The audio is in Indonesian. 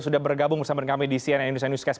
sudah bergabung bersama kami di cnn indonesia newscast